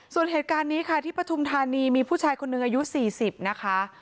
ส่วนเหตุการณ์นี้ค่ะที่ปฐุมธานีมีผู้ชายคนหนึ่งอายุ๔๐นะคะ